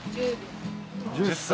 １０歳。